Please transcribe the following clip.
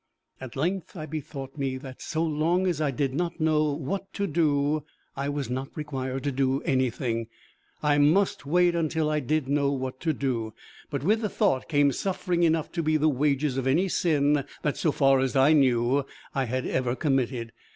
At length I bethought me that, so long as I did not know what to do, I was not required to do anything; I must wait till I did know what to do. But with the thought came suffering enough to be the wages of any sin that, so far as I knew, I had ever committed.